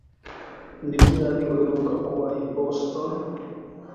Ni ryari uheruka kuba i Boston?